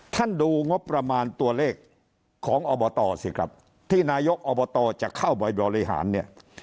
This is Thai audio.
ดูงบประมาณตัวเลขของอบตสิครับที่นายกอบตจะเข้าไปบริหารเนี่ย